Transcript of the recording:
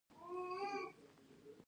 خو قیصر دا رښتیا ولیکل او وویل.